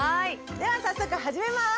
では早速始めます。